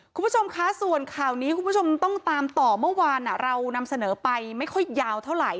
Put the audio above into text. คุณผู้ชมคะส่วนข่าวนี้คุณผู้ชมต้องตามต่อเมื่อวานเรานำเสนอไปไม่ค่อยยาวเท่าไหร่